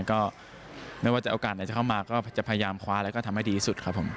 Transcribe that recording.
ก็ไม่ว่าจะโอกาสไหนจะเข้ามาก็จะพยายามคว้าแล้วก็ทำให้ดีที่สุดครับผม